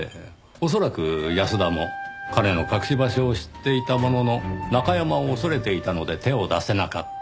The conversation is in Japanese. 恐らく安田も金の隠し場所を知っていたものの中山を恐れていたので手を出せなかった。